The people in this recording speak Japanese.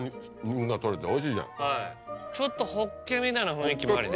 ちょっとホッケみたいな雰囲気もありね。